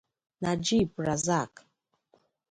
Najib Razak